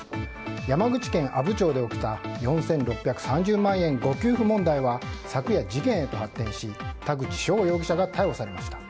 山口県阿武町で起きた４６３０万円誤給付問題は昨夜、事件へと発展し田口翔容疑者が逮捕されました。